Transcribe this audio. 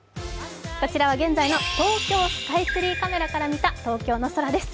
こちらは東京スカイツリーカメラから見た東京です。